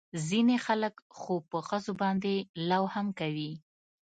ځينې خلق خو په ښځو باندې لو هم کوي.